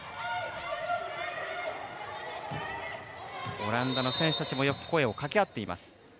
オランダの選手たちもよく声をかけ合っています。